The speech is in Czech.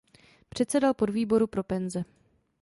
Předsedal podvýboru pro penze.